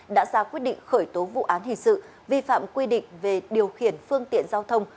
đã ra quyết định khởi tố vụ án hình sự vi phạm quy định về điều khiển phương tiện giao thông